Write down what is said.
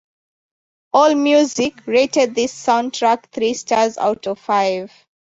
"Allmusic" rated this soundtrack three stars out of five.